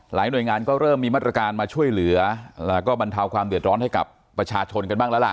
หน่วยงานก็เริ่มมีมาตรการมาช่วยเหลือแล้วก็บรรเทาความเดือดร้อนให้กับประชาชนกันบ้างแล้วล่ะ